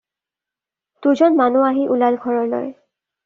দুজন মানুহ আহি ওলাল ঘৰলৈ।